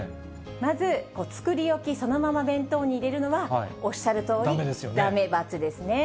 まず、作り置き、そのまま弁当に入れるのは、おっしゃるとおりだめ、×ですね。